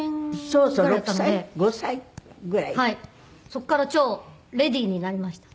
そこから超レディーになりました。